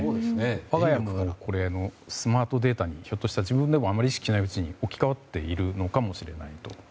我が家もスマートデータにひょっとしたらあまり意識しないうちに置き換わっているのかもしれないと。